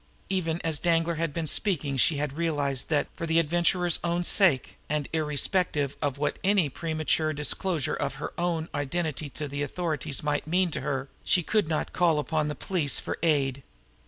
Even as Danglar had been speaking she had realized that, for the Adventurer's own sake, and irrespective of what any premature disclosure of her own identity to the authorities might mean to her, she could not call upon the police for aid.